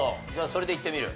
それでいってみる？